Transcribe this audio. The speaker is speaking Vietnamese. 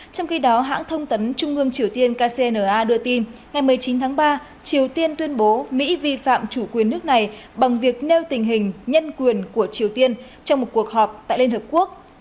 trong khi đó hãng thông tấn trung ương triều tiên kcna đưa tin ngày một mươi chín tháng ba triều tiên tuyên bố mỹ vi phạm chủ quyền nước này bằng việc nêu tình hình nhân quyền của triều tiên trong một cuộc họp tại liên hợp quốc